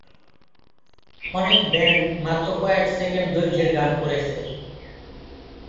অনেক ব্যান্ড মাত্র কয়েক সেকেন্ড দৈর্ঘ্যের গান করেছে।